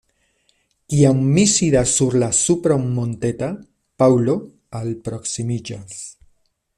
Kiam mi sidis sur la supro monteta, Paŭlo alproksimiĝas.